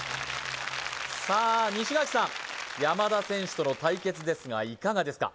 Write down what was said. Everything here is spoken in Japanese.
さあ西垣さん山田選手との対決ですがいかがですか？